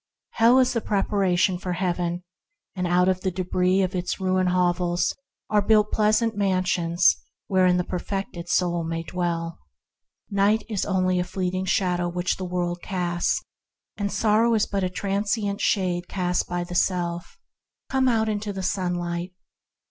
Hell is the preparation for Heaven; out of the debris of its ruined hovels are built pleasant mansions wherein the per fected soul may dwell. Night is only a fleeting shadow which the world casts, and sorrow but a transient shade cast by the self. Come out into the Sunlight.